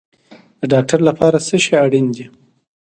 د ډاکټر لپاره څه شی اړین دی؟